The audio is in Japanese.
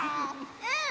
うん！